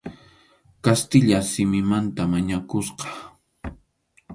Kastilla simimanta mañakusqa.